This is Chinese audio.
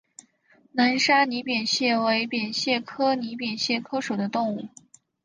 南沙拟扁蟹为扁蟹科拟扁蟹属的动物。